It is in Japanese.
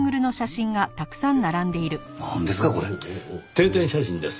定点写真です。